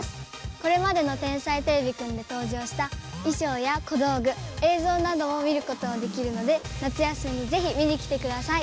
これまでの「天才てれびくん」で登場した衣装や小道具映像なども見ることもできるので夏休みぜひ見にきてください。